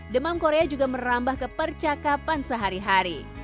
demam korea juga merambah ke percakapan sehari hari